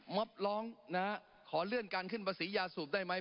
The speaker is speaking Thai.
มอบร้องนะฮะขอเลื่อนการขึ้นภาษียาสูบได้ไหม